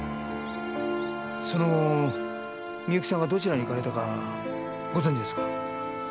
その後美雪さんはどちらに行かれたかご存じですか？